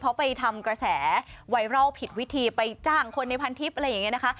เขาไปทำกระแสไวรัลผิดวิธีไปจ้างคนในพันทิพย์อะไรอย่างนี้นะคะ